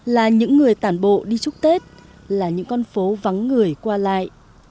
là những người tản bộ đi chúc tết là những con phố vắng người qua lại